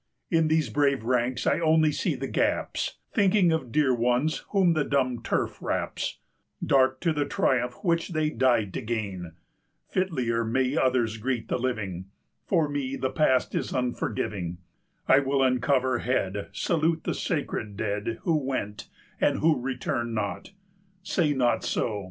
In these brave ranks I only see the gaps, 245 Thinking of dear ones whom the dumb turf wraps, Dark to the triumph which they died to gain: Fitlier may others greet the living, For me the past is unforgiving; I with uncovered head 250 Salute the sacred dead, Who went, and who return not. Say not so!